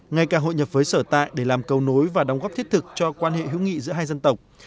ngay cả hội nhập với sở tại để làm cầu nối và đóng góp thiết thực cho quan hệ hữu nghị giữa hai dân tộc